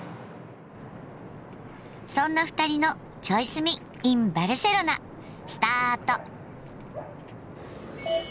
そんな二人の「チョイ住みｉｎバルセロナ」スタート。